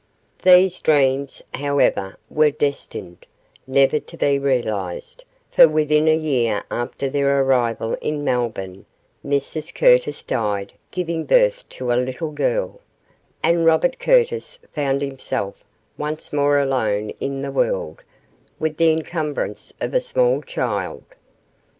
These dreams, however, were destined never to be realised, for within a year after their arrival in Melbourne Mrs Curtis died giving birth to a little girl, and Robert Curtis found himself once more alone in the world with the encumbrance of a small child.